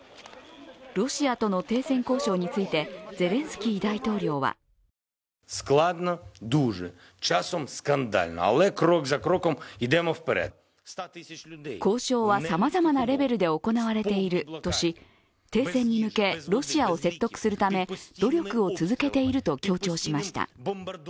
ロシアとの停戦交渉についてゼレンスキー大統領は交渉はさまざまなレベルで行われているとし、停戦に向けロシアを説得するため努力を続けていると強調しました。